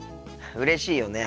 うれしいよね。